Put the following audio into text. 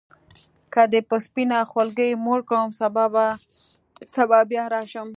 که دي په سپینه خولګۍ موړ کړم سبا بیا راشم.